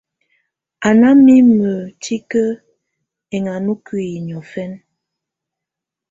Á ná mimǝ́ tikǝ́ ɛŋáná úkuiyi niɔ̀fɛna.